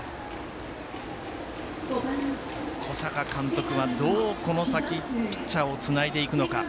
小坂監督は、どうこの先ピッチャーをつないでいくのか。